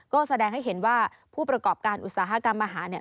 ก็แสดงให้เห็นว่าผู้ประกอบการอุตสาหกรรมอาหารเนี่ย